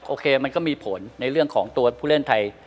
โอเคมันก็มีผลในเรื่องของตัวผู้เล่นไทย